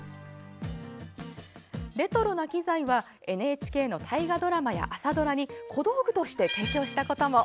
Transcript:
レトロな機材はＮＨＫの大河ドラマや朝ドラに小道具として提供したことも。